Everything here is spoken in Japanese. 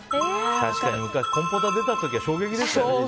確かに、昔コンポタ出た時は衝撃でしたね。